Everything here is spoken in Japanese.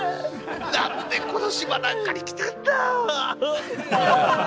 何でこの島なんかに来たんだ！